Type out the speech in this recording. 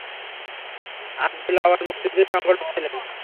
আব্দুল আউয়াল মুক্তিযুদ্ধের সংগঠক ছিলেন।